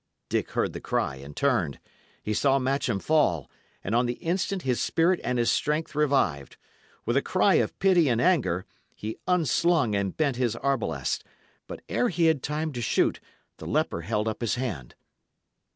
Dick heard the cry and turned. He saw Matcham fall; and on the instant his spirit and his strength revived; With a cry of pity and anger, he unslung and bent his arblast. But ere he had time to shoot, the leper held up his hand.